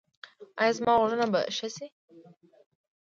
ایا زما غوږونه به ښه شي؟